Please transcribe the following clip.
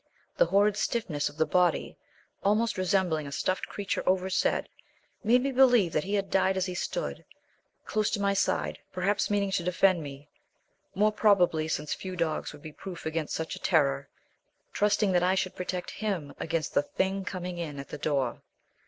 The horrid stiffness of the body, almost resembling a stuffed creature overset, made me believe that he had died as he stood, close to my side, perhaps meaning to defend me more probably, since few dogs would be proof against such a terror, trusting that I should protect him against the thing coming in at the door.